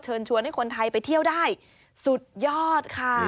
ชวนให้คนไทยไปเที่ยวได้สุดยอดค่ะ